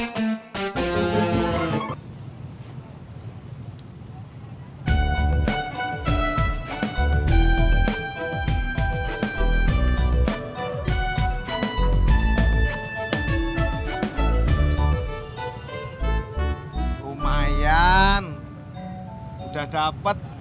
itu emahnya terasa bang